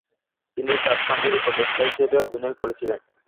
তিনি তার স্বামীর উপদেষ্টা হিসাবে অভিনয় করেছিলেন।